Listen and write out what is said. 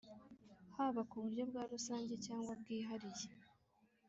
haba ku buryo bwa rusange cyangwa bwihariye;